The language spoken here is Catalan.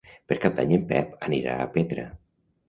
Per Cap d'Any en Pep anirà a Petra.